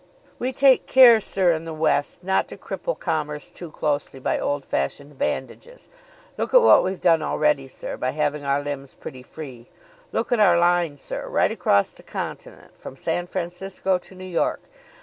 "We take care, sir, in the West not to cripple commerce too closely by old fashioned bandages. Look at what we've done already, sir, by having our limbs pretty free. Look at our line, sir, right across the continent, from San Francisco to New York.